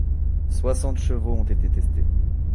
Soixante chevaux ont été testés.